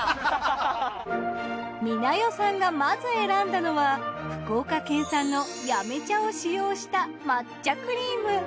美奈代さんがまず選んだのは福岡県産の八女茶を使用した抹茶クリーム。